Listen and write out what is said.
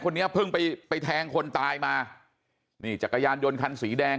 เนี้ยเพิ่งไปไปแทงคนตายมานี่จักรยานยนต์คันสีแดง